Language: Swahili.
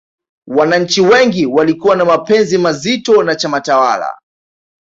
wananchi wengi walikuwa na mapenzi mazito na chama tawala